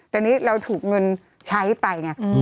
แต่นี่เราถูกเงินใช้ไปไง